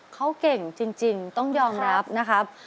เขาเก่งจริงต้องยอมรับนะครับ